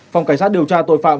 phòng cảnh sát điều tra tội phạm